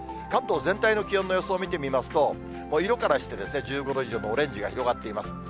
関東全体の気温の様子を見てみますと、色からして、１５度以上のオレンジが広がっています。